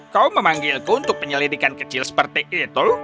kau memanggilku untuk penyelidikan kecil seperti itu